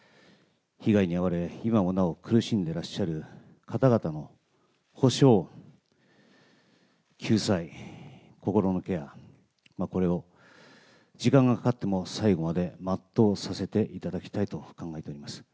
被害に遭われ、今もなお苦しんでいらっしゃる方々の補償、救済、心のケア、これを時間がかかっても最後まで全うさせていただきたいと考えております。